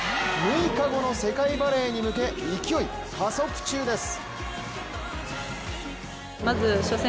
６日後の世界バレーに向け勢い加速中です。